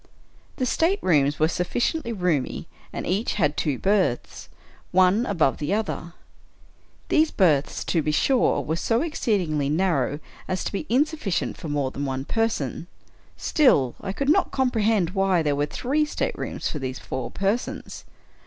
The staterooms were sufficiently roomy, and each had two berths, one above the other. These berths, to be sure, were so exceedingly narrow as to be insufficient for more than one person; still, I could not comprehend why there were three staterooms for these four persons.